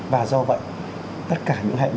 và do vậy tất cả những hệ thống